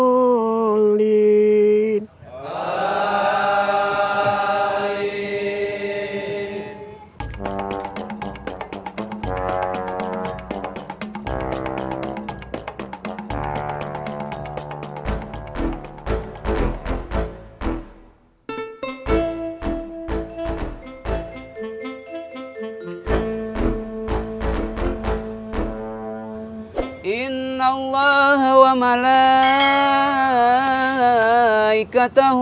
assalamualaikum warahmatullahi wabarakatuh